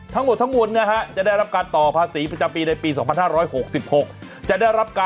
ทั้งหมดทั้งหมดจะได้รับการต่อภาษีประจำปีในปี๒๕๖๖